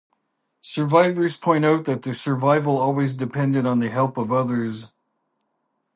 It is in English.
Survivors point out that survival always depended on the help of others.